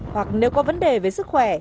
hoặc nếu có vấn đề về sức khỏe